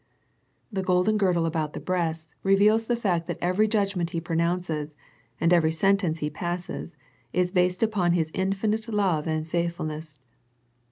The golden girdle about the breasts reveals the fact that every judgment He pronounces, and every sentence He passes, is based upon His infinite love and faithfulness.